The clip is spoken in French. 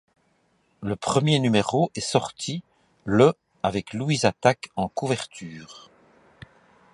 Le premier numéro est sorti le avec Louise Attaque en couverture.